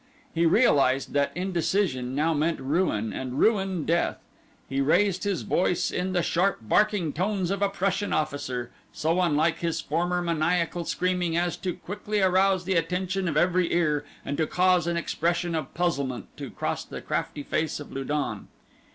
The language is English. He realized that indecision now meant ruin, and ruin, death. He raised his voice in the sharp barking tones of a Prussian officer, so unlike his former maniacal screaming as to quickly arouse the attention of every ear and to cause an expression of puzzlement to cross the crafty face of Lu don.